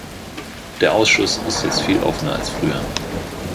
Der Ausschuss ist jetzt viel offener als früher.